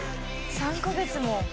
３カ月も？